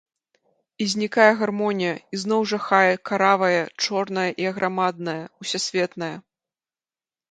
І знікае гармонія, ізноў жахае каравае, чорнае і аграмаднае, усясветнае.